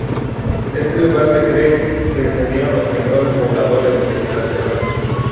De este lugar se cree que descendieron los primeros pobladores de San Jerónimo.